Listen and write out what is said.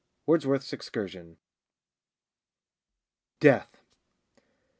'—WORDSWORTH'S Excursion.] DEATH.